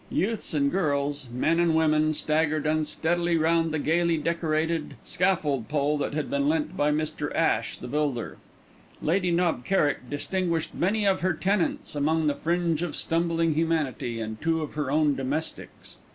Youths and girls, men and women staggered unsteadily round the gaily decorated scaffold pole that had been lent by Mr. Ash, the builder. Lady Knob Kerrick distinguished many of her tenants among the fringe of stumbling humanity, and two of her own domestics.